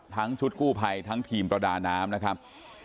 ชุดกู้ภัยทั้งทีมประดาน้ำนะครับ